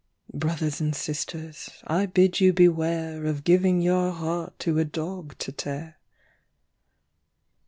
Brothers and sisters, I bid you beware Of giving your heart to a dog to tear.